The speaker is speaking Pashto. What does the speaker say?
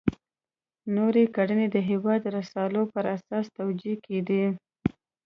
نورې کړنې د هغو رسالو پر اساس توجیه کېدې.